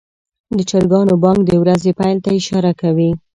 د چرګانو بانګ د ورځې پیل ته اشاره کوي.